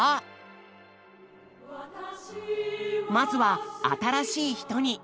まずは「『新しい人』に」。